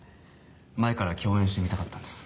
前から共演してみたかったんです。